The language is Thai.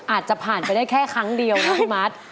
อาจจะผ่านไปได้แค่ครั้งเดียวนะคุณมัด